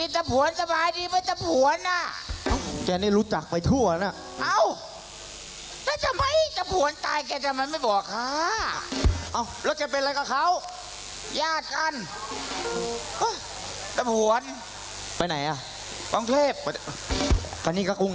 คุณฟูเล่นอยู่ตามคาเฟ่ต่าง